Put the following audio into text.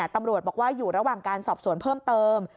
ตำรวจบอกว่าอยู่ระหว่างการสอบสวนเพิ่มเติม